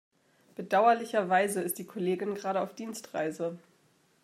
Bedauerlicherweise ist die Kollegin gerade auf Dienstreise.